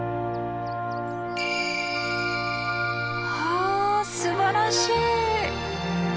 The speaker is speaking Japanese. わあすばらしい！